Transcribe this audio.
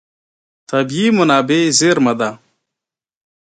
طبیعي منابع زېرمه ده.